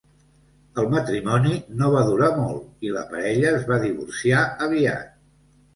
El matrimoni no va durar molt i la parella es va divorciar aviat.